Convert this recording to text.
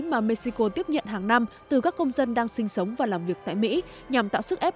mà mexico tiếp nhận hàng năm từ các công dân đang sinh sống và làm việc tại mỹ nhằm tạo sức ép